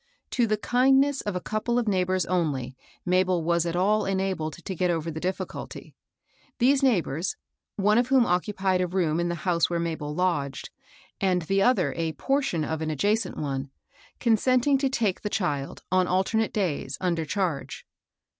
To the kindness of a couple of neighbors oijly, Mabel was at all enabled to get over the difficulty. These neigh bors, — one of whom occupied a room in the house where Mabel lodged, and the other a por tion of an adjacent one, — consenting to take the child, on alternate days, under charge.